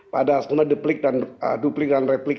pada setelah duplik dan replik